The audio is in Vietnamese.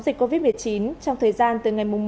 dịch covid một mươi chín trong thời gian từ ngày một